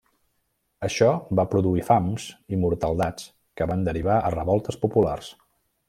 Això va produir fams i mortaldats que van derivar a revoltes populars.